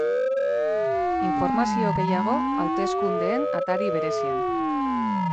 Informazio gehiago, hauteskundeen atari berezian.